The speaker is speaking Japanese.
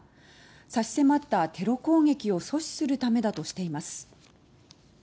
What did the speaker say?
差し迫ったテロ攻撃を阻止するためだとしています。